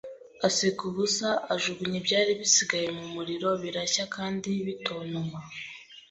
aseka ubusa, ajugunya ibyari bisigaye mu muriro, birashya kandi bitontoma